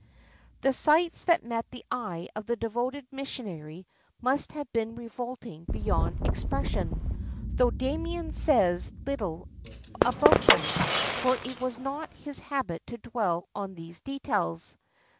The sights that met the eye of the devoted missionary must have been revolting beyond expression, though Damien says little about them, for it was not his habit to dwell on these details.